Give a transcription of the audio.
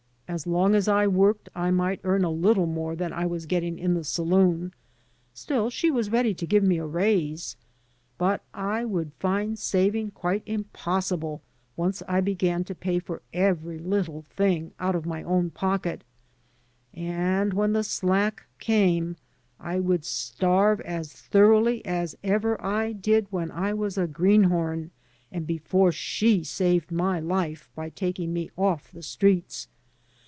As long as I worked I might earn a little more than I was getting in the saloon — still, she was ready to give me a raise — ^but I would find saving quite impossible once I began to pay for every Kttle thing out of my own pocket; and when the " slack " came I would starve as thoroughly as ever I did when I was a greenhorn and before she saved my life by taking me ofif the streets.